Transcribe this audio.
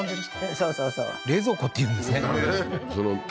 そうそうそう冷蔵庫っていうんですねだね